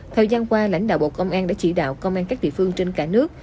thời gian qua lãnh đạo bộ công an đã chỉ đạo công an các địa phương trên cả nước